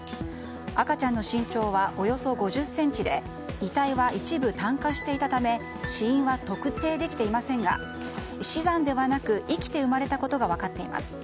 赤ちゃんの身長はおよそ５０ｃｍで遺体は一部炭化していたため死因は特定できていませんが死産ではなく生きて生まれたことが分かっています。